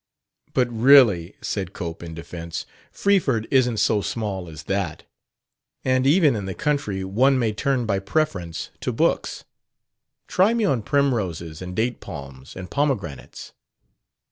"But, really," said Cope in defense, "Freeford isn't so small as that. And even in the country one may turn by preference to books. Try me on primroses and date palms and pomegranates!"